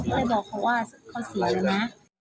ไปบอกเขาว่าเขาเสียแล้วนะ